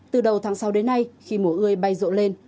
từ đầu tháng sáu đến nay khi mùa ươi bay rộ lên